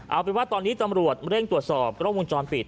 เอาเป็นว่าตอนนี้ตำรวจเร่งตรวจสอบกล้องวงจรปิด